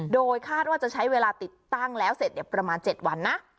โดยคาดว่าจะใช้เวลาติดตั้งแล้วเสร็จประมาณ๗วันนะ